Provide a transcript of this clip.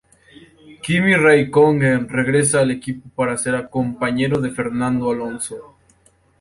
Kimi Räikkönen regresa al equipo para ser compañero de Fernando Alonso.